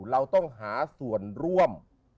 เราต้องหาส่วนร่วม